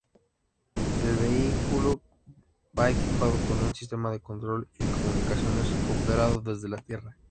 El vehículo va equipado con un sistema de control y comunicaciones operado desde tierra.